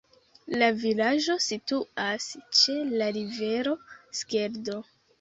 La vilaĝo situas ĉe la rivero Skeldo.